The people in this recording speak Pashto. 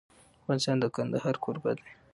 افغانستان د کندهار کوربه دی.